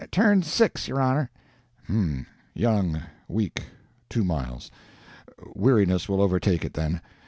"'Turned six, your Honor.' "'Um young, weak two miles. Weariness will overtake it then.